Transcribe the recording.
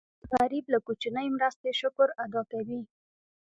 غریب له کوچنۍ مرستې شکر ادا کوي